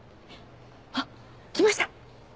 あっ来ました！